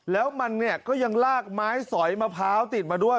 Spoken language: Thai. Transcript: แล้วมันเนี่ยก็ยังลากไม้สอยมะพร้าวติดมาด้วย